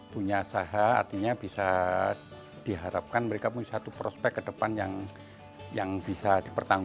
punya saha artinya bisa diharapkan mereka punya satu prospek ke depan yang bisa dipertanggungja